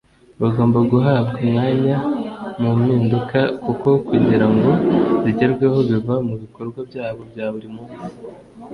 Bagomba guhabwa umwanya mu mpinduka kuko kugira ngo zigerweho biva mu bikorwa byabo bya buri munsi